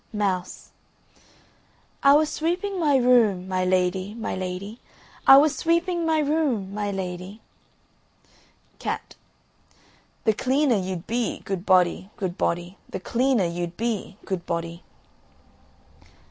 MOUSE. I was sweeping my room, my lady, my lady, I was sweeping my room, my lady. CAT. The cleaner you'd be, good body, good body, The cleaner you'd be, good body.